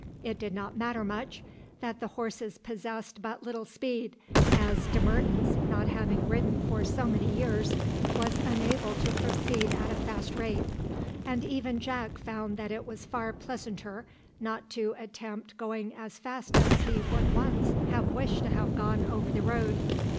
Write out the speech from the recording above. It did not matter much that the horses possessed but little speed, as De Mertens, not having ridden for so many years, was unable to proceed at a fast rate; and even Jack found that it was far pleasanter not to attempt going as fast as he would once have wished to have gone over the road.